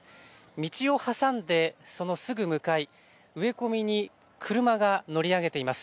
道を挟んで、そのすぐ向かい、植え込みに車が乗り上げています。